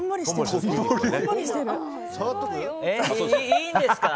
いいんですか？